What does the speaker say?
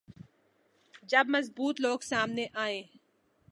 جب مضبوط لوگ سامنے آئیں۔